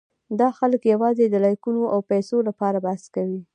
دا خلک یواځې د لایکونو او پېسو لپاره بحث کوي.